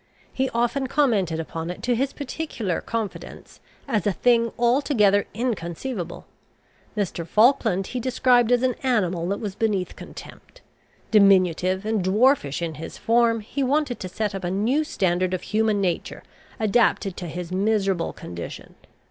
He often commented upon it to his particular confidents as a thing altogether inconceivable. Mr. Falkland he described as an animal that was beneath contempt. Diminutive and dwarfish in his form, he wanted to set up a new standard of human nature, adapted to his miserable condition.